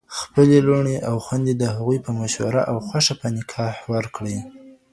خپلي لوڼي او خوندي د هغوی په مشوره او خوښه په نکاح ورکړئ